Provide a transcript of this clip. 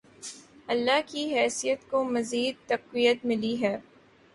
اللہ کی حیثیت کو مزید تقویت ملی ہے۔